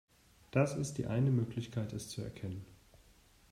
Das ist die eine Möglichkeit, es zu erkennen.